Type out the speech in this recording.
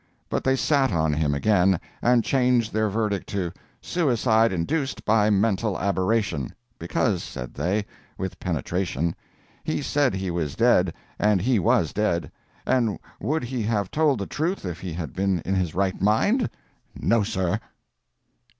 But they sat on him again, and changed their verdict to "suicide induced by mental aberration"—because, said they, with penetration, "he said he was dead, and he was dead; and would he have told the truth if he had been in his right mind? No, sir."